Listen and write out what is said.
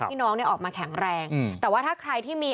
น้องเนี่ยออกมาแข็งแรงแต่ว่าถ้าใครที่มี